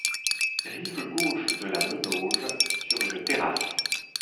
Rive gauche de la Menoge, sur une terrasse.